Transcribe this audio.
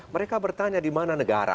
mereka bertanya di mana negara